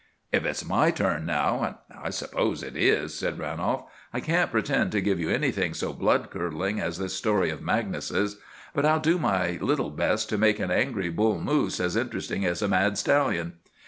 "If it's my turn now—and I suppose it is," said Ranolf, "I can't pretend to give you anything so blood curdling as this story of Magnus's; but I'll do my little best to make an angry bull moose as interesting as a mad stallion.